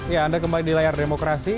ya anda kembali di layar demokrasi